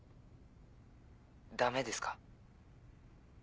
ダメですか？